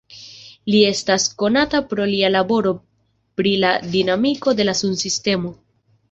Li estas konata pro lia laboro pri la dinamiko de la sunsistemo.